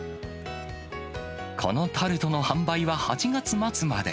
このタルトの販売は８月末まで。